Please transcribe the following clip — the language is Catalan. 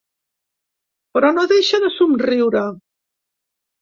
Però no deixa de somriure.